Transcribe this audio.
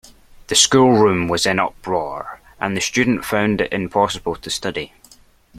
The schoolroom was in uproar, and the student found it impossible to study